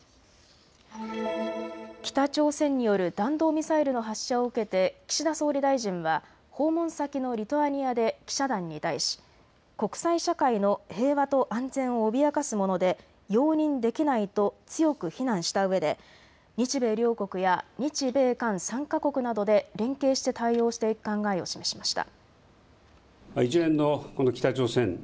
北朝鮮による弾道ミサイルの発射を受けて岸田総理大臣は訪問先のリトアニアで記者団に対し国際社会の平和と安全を脅かすもので容認できないと強く非難したうえで日米両国や日米韓３か国などで連携して対応していく考えを示しました。